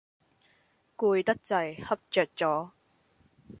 攰得滯，瞌着咗